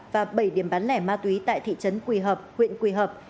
và bảy điểm bán lẻ ma túy tại thị trấn quỳ hợp huyện quỳ hợp